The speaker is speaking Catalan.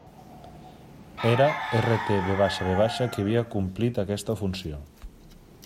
Era RTVV qui havia complit aquesta funció.